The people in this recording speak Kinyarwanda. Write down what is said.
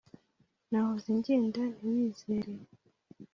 Nahoze ngenda ntiwizere